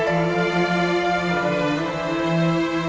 sedang memikirkan siapa nak